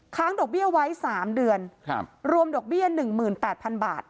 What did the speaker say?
ดอกเบี้ยไว้๓เดือนรวมดอกเบี้ย๑๘๐๐๐บาท